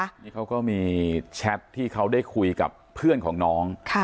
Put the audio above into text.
นี่เขาก็มีแชทที่เขาได้คุยกับเพื่อนของน้อง